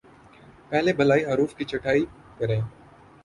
پہلے بالائی حروف کی چھٹائی کریں